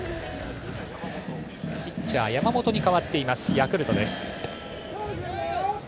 ピッチャー、山本に代わっているヤクルト。